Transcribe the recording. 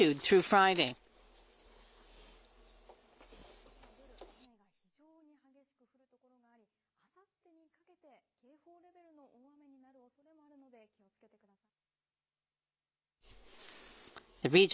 九州南部は夜、雨が非常に激しく降る所があり、あさってにかけて警報レベルの大雨になるおそれもあるので、気をつけてください。